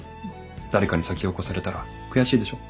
誰かに先を越されたら悔しいでしょ？